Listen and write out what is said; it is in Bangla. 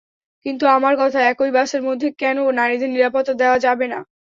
কিন্তু আমার কথা, একই বাসের মধ্যে কেন নারীদের নিরাপত্তা দেওয়া যাবে না।